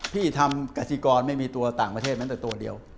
พี่ทำกสิกรไม่มีตัวต่างประเทศแม้แต่ตัวเดียว